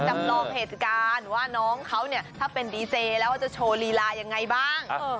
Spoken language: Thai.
จำลองเหตุการณ์ว่าน้องเขาเนี่ยถ้าเป็นดีเจแล้วจะโชว์ลีลายังไงบ้าง